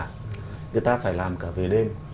người ta phải làm cả về đêm